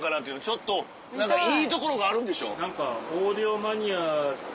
ちょっと何かいいところがあるんでしょ。